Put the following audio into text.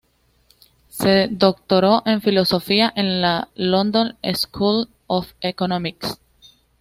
Se doctoró en filosofía en la London School of Economics.